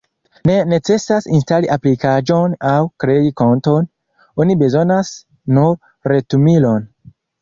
Ne necesas instali aplikaĵon aŭ krei konton, oni bezonas nur retumilon.